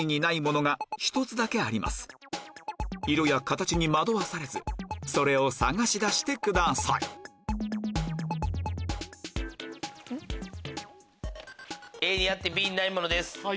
色や形に惑わされずそれを探し出してくださいＡにあってＢにないものです。